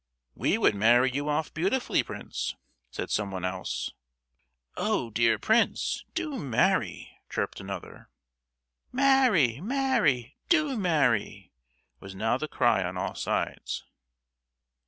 "We would marry you off beautifully, prince!" said somebody else. "Oh, dear prince, do marry!" chirped another. "Marry, marry, do marry!" was now the cry on all sides.